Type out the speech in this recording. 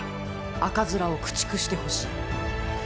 赤面を駆逐してほしい！